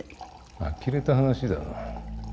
あきれた話だな。